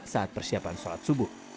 saat persiapan sholat subuh